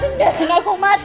lepasin aku mati